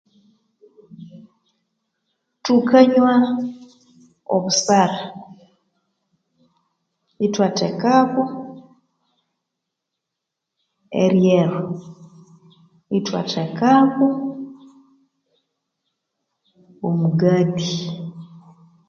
Thukanywa obusara, ithwatekaku eryeru, ithwatekaku omugathi,